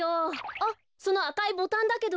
あっそのあかいボタンだけど。